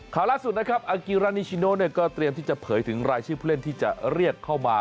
ล่าสุดนะครับอากิรานิชิโนก็เตรียมที่จะเผยถึงรายชื่อผู้เล่นที่จะเรียกเข้ามา